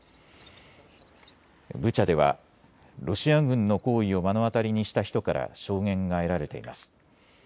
ブチャではロシア軍の行為を目の当たりにした人から証言が得られています。